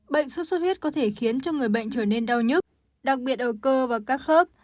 bệnh sốt xuất huyết có thể khiến cho người bệnh trở nên đau nhức đặc biệt ở cơ và các khớp